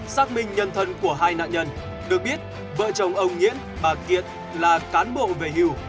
xác minh nhân thân của hai nạn nhân được biết vợ chồng ông nhiễn bà kiệt là cán bộ về hữu